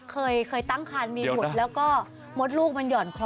เคยตั้งคันมีหุ่นแล้วก็มดลูกมันหย่อนคอ